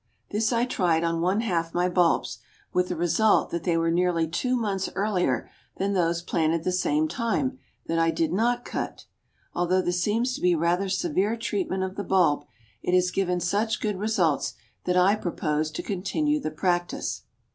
This I tried on one half my bulbs, with the result that they were nearly two months earlier than those planted the same time, that I did not cut. Although this seems to be rather severe treatment of the bulb, it has given such good results that I propose to continue the practice."